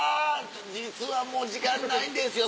実はもう時間ないんですよ